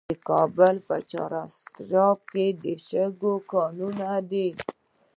د کابل په چهار اسیاب کې د شګو کانونه دي.